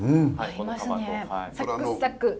サクサク！